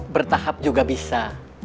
bertahap juga bisa